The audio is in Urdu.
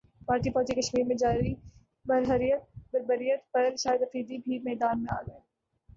بھارتی فوج کی کشمیرمیں جاری بربریت پر شاہدافریدی بھی میدان میں گئے